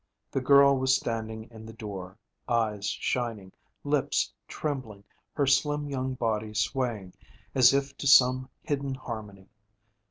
The girl was standing in the door eyes shining, lips trembling, her slim young body swaying as if to some hidden harmony.